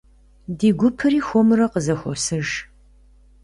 Ди гупри хуэмурэ къызэхуосыж.